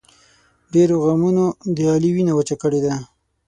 ډېرو غمونو د علي وینه وچه کړې ده.